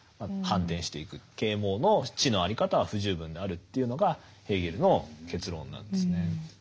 啓蒙の知の在り方は不十分であるというのがヘーゲルの結論なんですね。